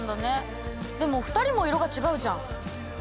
でも２人も色が違うじゃん。